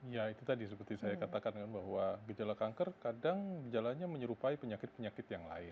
ya itu tadi seperti saya katakan kan bahwa gejala kanker kadang gejalanya menyerupai penyakit penyakit yang lain